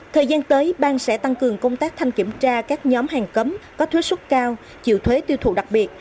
thời gian tới bang sẽ tăng cường công tác thanh kiểm tra các nhóm hàng cấm có thuế xuất cao chịu thuế tiêu thụ đặc biệt